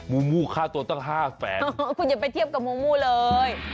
มูมูค่าตัวตั้ง๕แสนคุณอย่าไปเทียบกับมูมูเลย